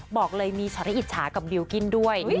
บอกเลยมีช็อตอิจฉากับบิลกิ้นด้วย